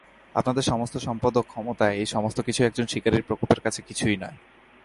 আপনাদের সমস্ত সম্পদ ও ক্ষমতা, এই সমস্তকিছুই একজন শিকারীর প্রকোপের কাছে কিছুই নয়।